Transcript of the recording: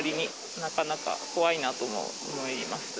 なかなか怖いなと思います。